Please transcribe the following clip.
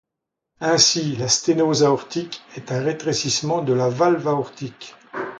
Ainsi, la sténose aortique est un rétrécissement de la valve aortique.